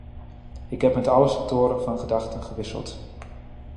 Ik heb met alle sectoren van gedachten gewisseld.